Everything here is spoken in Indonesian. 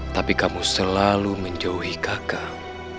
tapi kamu selalu menjauhi kakak